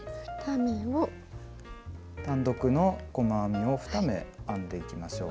単独の細編みを２目編んでいきましょう。